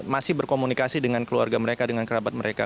masih berkomunikasi dengan keluarga mereka dengan kerabat mereka